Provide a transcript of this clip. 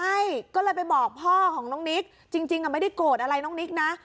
ใช่ก็เลยไปบอกพ่อของน้องนิกจริงไม่ได้โกรธอะไรน้องนิกนะ